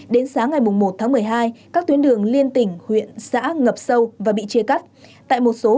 đến sáng ngày một tháng một mươi hai các tuyến đường liên tỉnh huyện xã ngập sâu và bị chia cắt